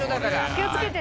気を付けてね。